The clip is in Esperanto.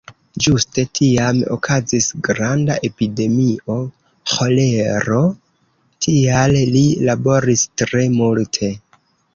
Ĝuste tiam okazis granda epidemio ĥolero, tial li laboris tre multe.